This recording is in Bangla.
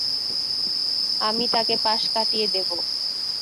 আমি তাকে পাশ কাটিয়ে দেবো।